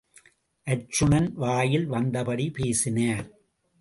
அர்ச்சுனன், வாயில் வந்தபடி பேசினார்.